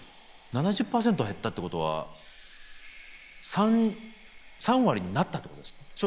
７０％減ったってことは３割になったってことですか。